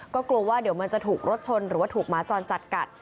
ก็กลัวว่าเดี๋ยวมันจะถูกรถชนหรือว่าถูกหมาจรจัดกัด